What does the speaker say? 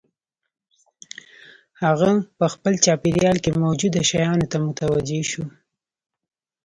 هغه په خپل چاپېريال کې موجودو شيانو ته متوجه شو.